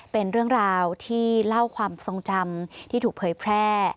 เป็นเรื่องราวที่เล่าความทรงจำที่ถูกเผยแพร่